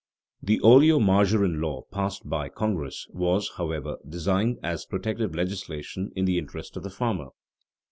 The oleomargarin law passed by Congress was, however, designed as protective legislation in the interest of the farmer.